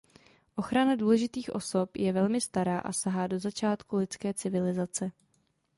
Ochrana důležitých osob je velmi stará a sahá do začátků lidské civilizace.